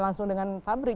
langsung dengan fabrik